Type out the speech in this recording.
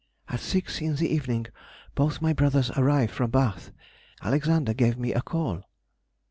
_—At six in the evening both my brothers arrived from Bath. Alexander gave me a call.